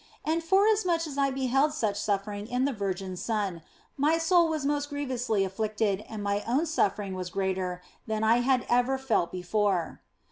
And forasmuch as I beheld such suffering in the Virgin s Son, my soul was most grievously afflicted and my own suffering was greater than I had ever felt before.